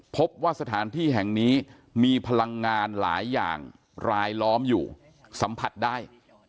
พบว่าสถานที่แห่งนี้มีพลังงานหลายอย่างรายล้อมอยู่สัมผัสได้